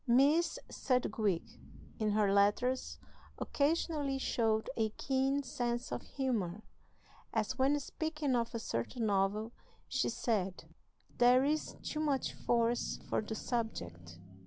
Miss Sedgwick, in her letters, occasionally showed a keen sense of humor, as, when speaking of a certain novel, she said: "There is too much force for the subject.